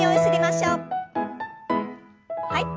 はい。